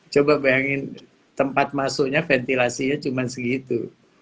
coba bayangin tempat masuknya ventilasinya cuma segitu